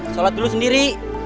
sholat dulu sendiri